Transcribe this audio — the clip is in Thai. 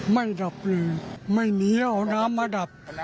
ไม่ดับเลยไม่หนีเอาน้ำมาดับ